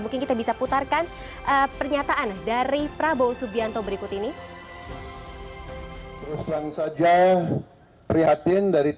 mungkin kita bisa putarkan pernyataan dari prabowo subianto berikut ini